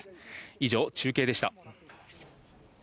以上、中継でした。